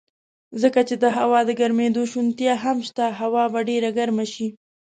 ځکه چې د هوا ګرمېدو شونتیا هم شته، هوا به ډېره ګرمه شي.